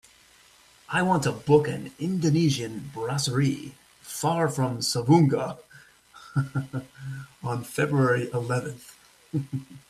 I want to book a indonesian brasserie far from Savoonga on february eleventh.